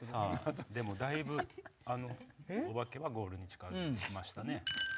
でもだいぶオバケはゴールに近づいてきましたね。